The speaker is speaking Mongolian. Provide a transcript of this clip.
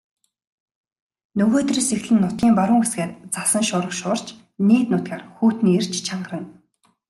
Нөгөөдрөөс эхлэн нутгийн баруун хэсгээр цасан шуурга шуурч нийт нутгаар хүйтний эрч чангарна.